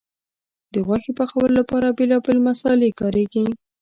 د غوښې پخولو لپاره بیلابیل مسالې کارېږي.